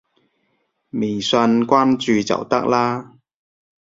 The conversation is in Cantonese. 微信關注就得啦